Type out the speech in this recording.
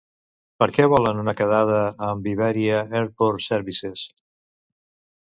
Per què volen una quedada amb Ibèria Airport Services?